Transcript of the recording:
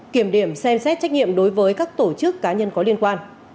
kiểm điểm xem xét trách nhiệm đối với các tổ chức cá nhân có liên quan